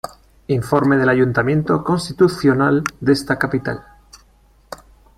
Informe del Ayuntamiento Constitucional de esta Capital.